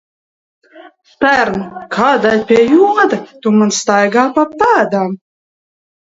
Štern, kādēļ, pie joda, tu man staigā pa pēdām?